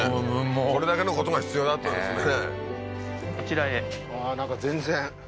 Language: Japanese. これだけのことが必要だったんですね